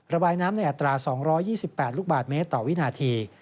ระบายน้ำในอัตรา๒๒๘ลูกบาทเมตรต่อวินาที